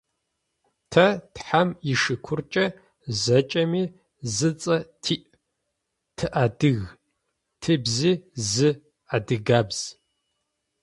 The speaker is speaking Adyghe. Тэ, тхьам ишыкуркӏэ, зэкӏэми зы цӏэ тиӏ – тыадыг, тыбзи – зы: адыгабз.